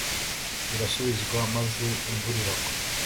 rirasubizwa maze imvura iragwa